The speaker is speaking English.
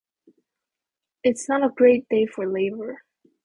It's not a great day for Labour.